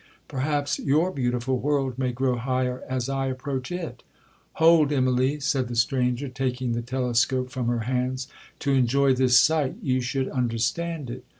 Perhaps your beautiful world may grow higher as I approach it.'—'Hold, Immalee,' said the stranger, taking the telescope from her hands, 'to enjoy this sight you should understand it.'